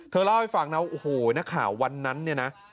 เล่าให้ฟังนะโอ้โหนักข่าววันนั้นเนี่ยนะ